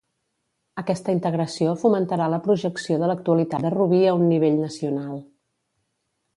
Aquesta integració fomentarà la projecció de l'actualitat de Rubí a un nivell nacional.